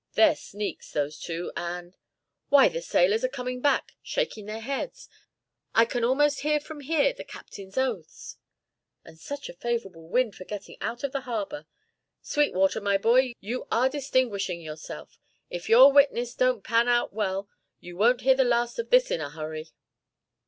They're sneaks, those two, and Why, the sailors are coming back shaking their heads. I can almost hear from here the captain's oaths." "And such a favourable wind for getting out of the harbour! Sweetwater, my boy, you are distinguishing yourself. If your witness don't pan out well you won't hear the last of this in a hurry."